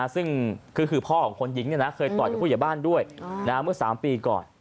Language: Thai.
ซึ่งคือพ่อของคนยิงเคยต่อยกับผู้ใหญ่บ้านด้วยเมื่อ๓ปีก่อน